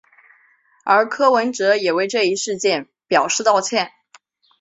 而柯文哲也为这一事件表示道歉。